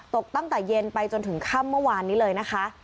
ตกตั้งแต่เย็นไปจนถึงค่ำเมื่อวานนี้เลยนะคะ